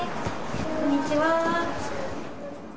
こんにちは。